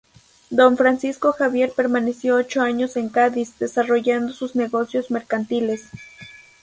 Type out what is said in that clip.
Don Francisco Javier permaneció ocho años en Cádiz, desarrollando sus negocios mercantiles.